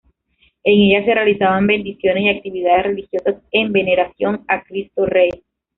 En ella, se realizan bendiciones y actividades religiosas en veneración a Cristo Rey.